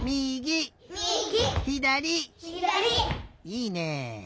いいね！